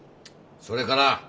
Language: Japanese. それから？